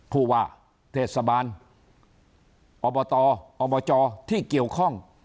ผู้ว่าเทศบาลอบตอบจที่เกี่ยวข้อง